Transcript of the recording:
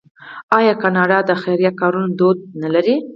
آیا کاناډا د خیریه کارونو دود نلري؟